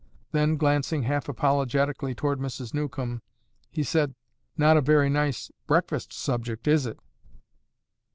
Then, glancing half apologetically toward Mrs. Newcomb, he said, "Not a very nice breakfast subject, is it?"